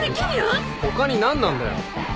他に何なんだよ。